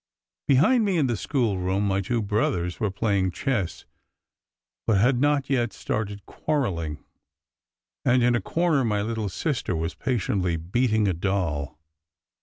Behind me in the schoolroom my two brothers were playing chess, but had not yet started quarrelling, and in a corner my little sister was patiently beating a doll.